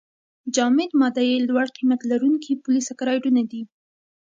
جامد ماده یې لوړ قیمت لرونکي پولې سکرایډونه دي.